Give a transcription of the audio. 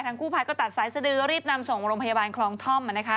ทางกู้ภัยก็ตัดซ้ายซะดื้อรีบนำส่งมาโรงพยาบาลคลองธ่อม